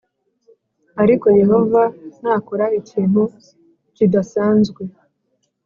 Ariko Yehova nakora ikintu kidasanzwe